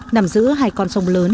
nằm giữa hai con sông lớn